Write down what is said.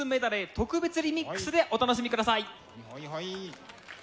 特別リミックスでお楽しみください！